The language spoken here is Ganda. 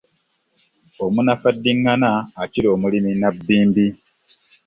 Omunafu addiŋŋana akira omulimi nabbimbi.